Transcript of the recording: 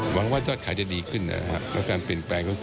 หวังว่าจอดขายจะดีขึ้นนะครับ